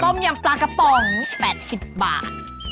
ยำปลากระป๋อง๘๐บาท